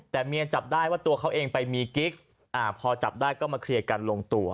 แต่เมียจับได้ว่าตัวเขาเองไปมีกิ๊กพอจับได้ก็มาเคลียร์กันลงตัว